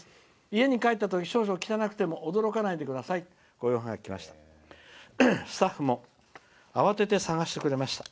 家に帰ったときに少々、汚くても驚かないでください」というハガキがきました。